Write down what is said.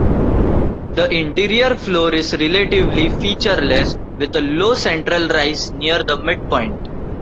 The interior floor is relatively featureless, with a low central rise near the midpoint.